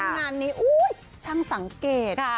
งานนี้ช่างสังเกต